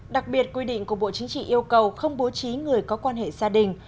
đặc biệt quy định của bộ chính trị yêu cầu không bố trí người có quan hệ gia đình